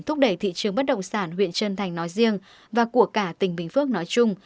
thúc đẩy thị trường bất động sản huyện trân thành nói riêng và của cả tỉnh bình phước nói chung